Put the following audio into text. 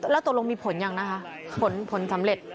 แล้วตรงมีผลอย่างไรผลสำเร็จ